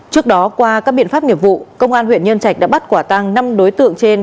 trước đó qua các biện pháp nghiệp vụ công an huyện nhân trạch đã bắt quả tăng năm đối tượng trên